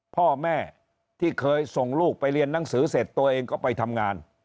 พ่อแม่ที่เคยส่งลูกไปเรียนหนังสือเสร็จตัวเองก็ไปทำงาน